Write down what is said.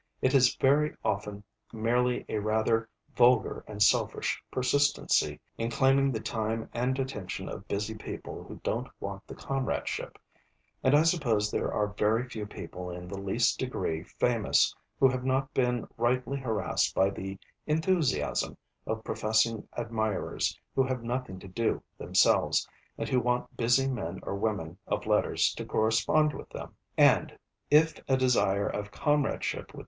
It is very often merely a rather vulgar and selfish persistency in claiming the time and attention of busy people who don't want the comradeship; and I suppose there are very few people in the least degree famous who have not been rightly harassed by the 'enthusiasm' of professing admirers who have nothing to do themselves, and who want busy men or women of letters to correspond with them. And if a desire of comradeship with M.